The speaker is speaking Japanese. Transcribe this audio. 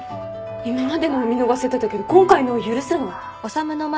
今までのは見逃せてたけど今回のは許せない。